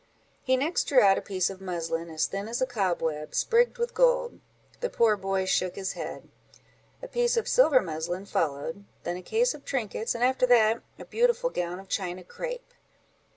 He next drew out a piece of muslin, as thin as a cobweb, sprigged with gold: the poor boy shook his head: a piece of silver muslin followed, then a case of trinkets, and after that, a beautiful gown of China crape.